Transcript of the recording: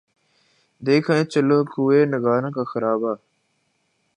دیکھ آئیں چلو کوئے نگاراں کا خرابہ